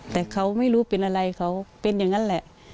แต่เขาไม่รู้เป็นอะไรเขาเป็นอย่างนั้นแหละ